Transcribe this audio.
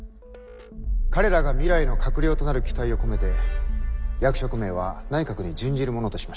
「彼らが未来の閣僚となる期待を込めて役職名は内閣に準じるものとしました」。